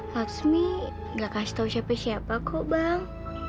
lasmi nggak kasih tahu siapa siapa kok bang